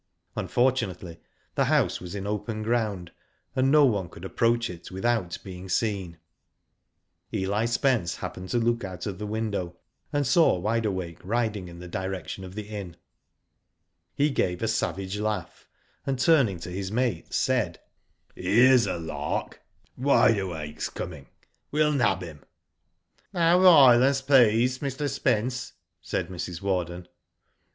Unfortunately the house was in open ground, and no one could approach it without being seen, n^ Eli Spence happened to look out of the window, and saw Wide Awake riding in the direction of the inn. . He gave a savage laugh, and turning to his mates, said: Digitized byGoogk 158 WHO DID ITf '* Here's a lark. Wide Awake's coming. We'll nab him." *' No violence, please, Mr. Spence," said Mrs. Warden.